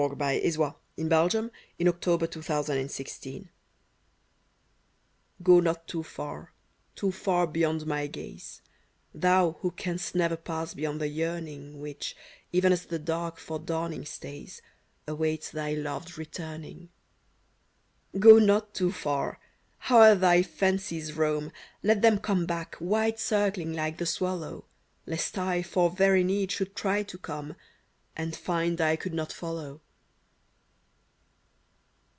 The type of selfless motherhood ! 6 "GO NOT TOO FAR" /^^ o not too far — too far beyond my gaze, Thou who canst never pass beyond the yearn ing Which, even as the dark for dawning stays, Awaits thy loved returning ! Go not too far ! Howe'er thy fancies roam, Let them come back, wide circling like the swal low, Lest I, for very need, should try to come — And find I could not follow